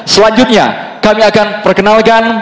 selanjutnya kami akan perkenalkan